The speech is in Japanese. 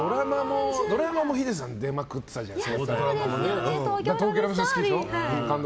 ドラマもヒデさん出まくってたじゃないですか。